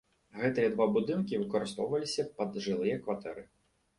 Гэтыя два будынкі выкарыстоўваліся пад жылыя кватэры.